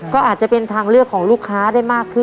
ก็อาจจะเป็นทางเลือกของลูกค้าได้มากขึ้น